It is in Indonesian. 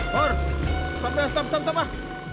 pur stop dah stop dah